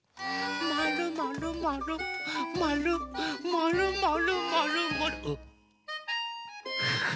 まるまるまるまるまるまるまるまるあっ。